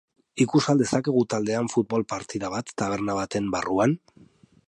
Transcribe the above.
Ikus al dezakegu taldean futbol partida bat taberna baten barruan?